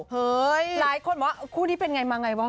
หลายคนมาว่าคู่นี้เป็นไงไม่ไงกว่า